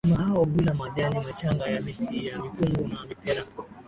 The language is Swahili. Wanyama hao hula majani machanga ya miti ya mikungu na mipera